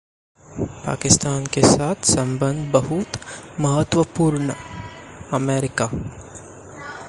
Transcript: पाकिस्तान के साथ संबंध ‘बहुत महत्वपूर्ण’: अमेरिका